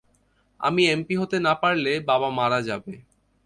আমি এমপি হতে না পারলে, বাবা মারা যাবে।